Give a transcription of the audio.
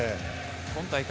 今大会